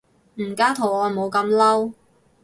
唔加圖案冇咁嬲